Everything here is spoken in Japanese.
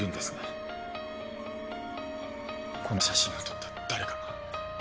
この写真を撮った誰かが。